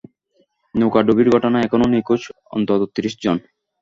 নৌকাডুবির ঘটনায় এখনও নিখোঁজ অন্তত ত্রিশ জন।